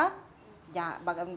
itu bagian yang sensitif